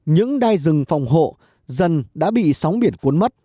những đai rừng phòng hộ dần đã bị sóng biển vụn